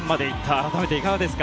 改めていかがですか？